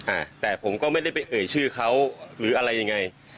อ่าแต่ผมก็ไม่ได้ไปเอ่ยชื่อเขาหรืออะไรยังไง